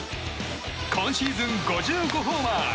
今シーズン５５ホーマー。